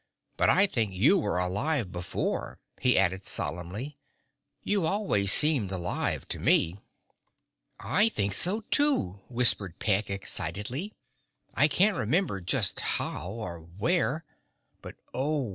"But I think you were alive before," he added solemnly. "You always seemed alive to me." "I think so, too," whispered Peg excitedly. "I can't remember just how, or where, but Oh!